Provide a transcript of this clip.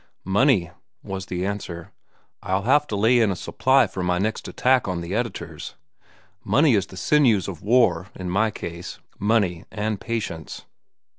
"Money," was the answer. "I'll have to lay in a supply for my next attack on the editors. Money is the sinews of war, in my case—money and patience."